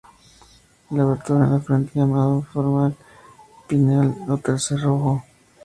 La abertura en la frente, llamado foramen pineal o tercer ojo.